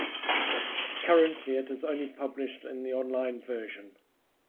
Currently it is only published in the online version.